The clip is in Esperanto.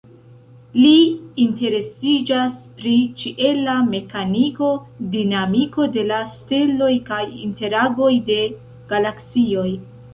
Li interesiĝas pri ĉiela mekaniko, dinamiko de la steloj kaj interagoj de galaksioj.